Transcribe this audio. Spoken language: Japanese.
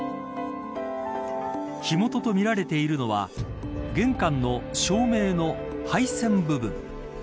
火元とみられているのは玄関の照明の配線部分。